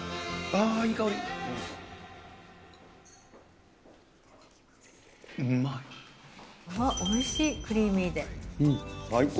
あっ、おいしい、クリーミー最高。